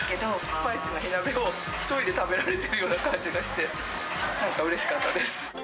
スパイシーな火鍋を１人で食べられているような感じがして、なんかうれしかったです。